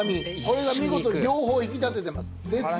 これが見事に両方を引き立ててます。